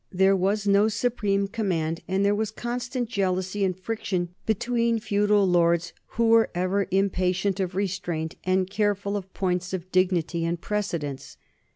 There was no supreme command, and there was constant jealousy and friction between feudal lords who were ever impatient of restraint and careful of points of dignity and precedence.